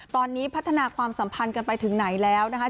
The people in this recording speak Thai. ตอนนี้พัฒนาความสัมพันธ์กันไปถึงไหนแล้วนะคะ